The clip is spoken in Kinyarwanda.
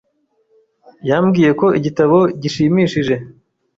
Yambwiye ko igitabo gishimishije .